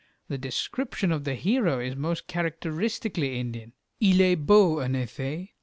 The description of the hero is most characteristically Indian. Il est beau en effet.